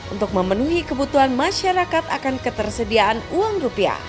untuk memenuhi kebutuhan masyarakat akan ketersediaan uang rupiah